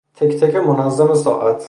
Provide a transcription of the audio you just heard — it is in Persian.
تک تک منظم ساعت